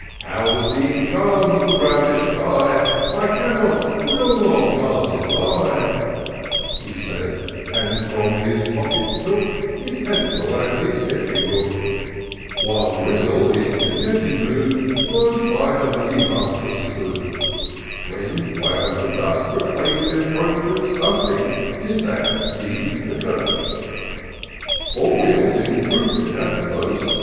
— How the scene charms the ravish'd eye ! I cannot, will not pass it by." 200 TOUR OF DOCTOR SYNTAX He saidj — and from his pocket took His pencil and his sketching book ; While Grizzle, in contented mood> Gose by her busy master stood : When, clouds of dust, proclaim'd th' approach Of something Sjmtax deem'd a coach* Four wheels, in truth, it had to boast.